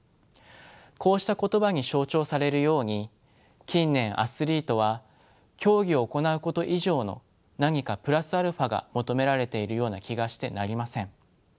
こうした言葉に象徴されるように近年アスリートは競技を行うこと以上の何かプラスアルファが求められているような気がしてなりません。